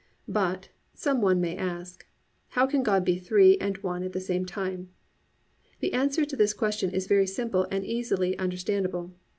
But, some one may ask, How can God be three and one at the same time? The answer to this question is very simple and easily understandable.